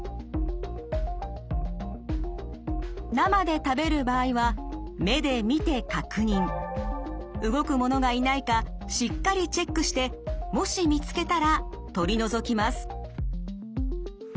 生で食べる場合は目で見て確認動くものがいないかしっかりチェックしてもし見つけたら取り除きます。